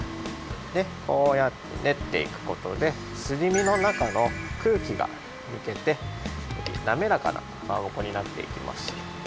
でこうやってねっていくことですり身のなかの空気がぬけてなめらかなかまぼこになっていきます。